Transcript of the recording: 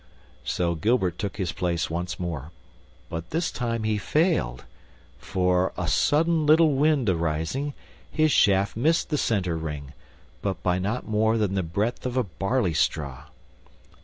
So Gilbert took his place once more, but this time he failed, for, a sudden little wind arising, his shaft missed the center ring, but by not more than the breadth of a barley straw.